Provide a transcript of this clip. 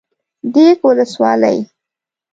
ديک ولسوالي